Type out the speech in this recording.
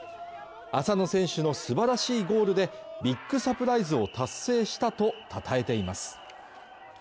浅野選手のすばらしいゴールでビッグサプライズを達成したとたたえています